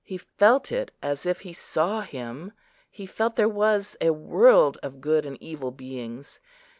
He felt it as if he saw Him; he felt there was a world of good and evil beings.